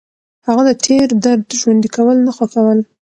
هغه د تېر درد ژوندي کول نه خوښول.